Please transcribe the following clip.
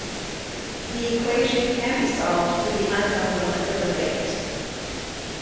The equation can be solved for the unknown molecular weight.